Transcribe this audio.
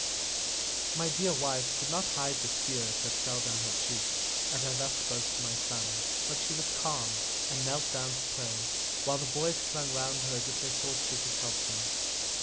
My dear wife could not hide the tears that fell down her cheeks as I thus spoke to my sons, but she was calm, and knelt down to pray, while the boys clung round her as if they thought she could help them.